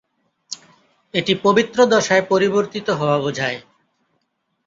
এটি পবিত্র দশায় পরিবর্তিত হওয়া বোঝায়।